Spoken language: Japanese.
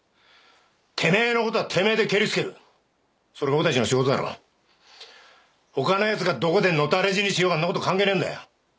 てめぇのことはてめぇでけりつけるそれが俺たちの仕事だろほかのヤツがどこで野たれ死にしようがそんなこと関係ねぇんだよ